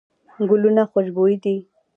ګلونه خوشبوي دي.